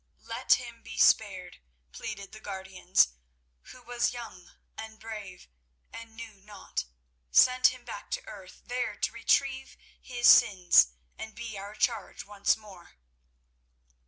"Let him be spared," pleaded the guardians, "who was young and brave, and knew not. Send him back to earth, there to retrieve his sins and be our charge once more."